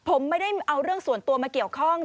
ผมไม่ได้เอาเรื่องส่วนตัวมาเกี่ยวข้อง